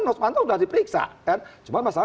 nus pantung udah diperiksa kan cuma masalah